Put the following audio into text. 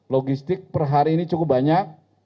logistik per hari ini cukup banyak